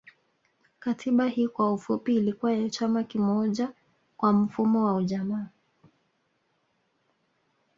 Katiba Hii kwa ufupi ilikuwa ya chama kimoja kwa mfumo wa ujamaa